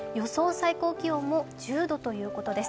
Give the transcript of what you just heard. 最高気温も１０度ということです。